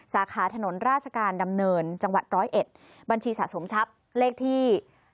สาขาถนนราชการดำเนินจังหวัดร้อยเอ็ดบัญชีสะสมทรัพย์เลขที่